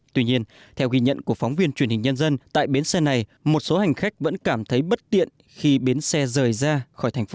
tuy nhiên theo ghi nhận của phóng viên truyền hình nhân dân tại bến xe này một số hành khách vẫn cảm thấy bất tiện khi bến xe rời ra khỏi thành phố